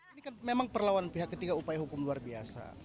ini kan memang perlawan pihak ketiga upaya hukum luar biasa